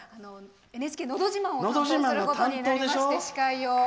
「ＮＨＫのど自慢」を担当することになりまして。